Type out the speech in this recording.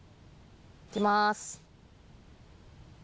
いきます。